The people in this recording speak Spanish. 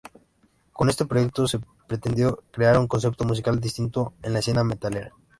Con este proyecto, se pretendió crear un concepto musical distinto en la escena metalera.